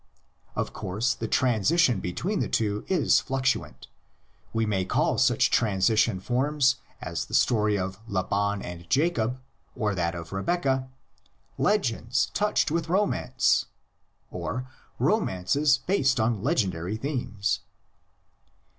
Of course, the transition between the two is fluctuant; we may call such transition forms as the story of Laban and Jacob, or that of Rebeccah, "legends touched with romance," or "romances based on legendary themes."